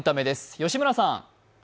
吉村さん。